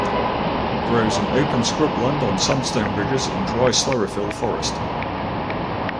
Grows in open scrubland on sandstone ridges in dry sclerophyll forest.